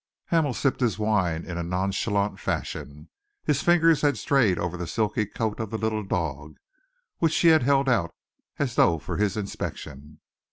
'" Hamel sipped his wine in a nonchalant fashion. His fingers had strayed over the silky coat of the little dog, which she had held out as though for his inspection.